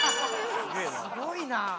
すごいな！